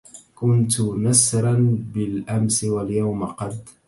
كنت نسرا بالامس واليوم قد